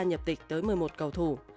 nhập tịch tới một mươi một cầu thủ